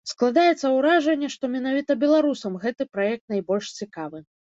Складаецца ўражанне, што менавіта беларусам гэты праект найбольш цікавы.